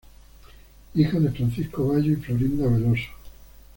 Hijo de Francisco Bayo y Florinda Veloso.